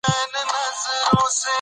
بخارۍ د ژمي لپاره رانيسئ.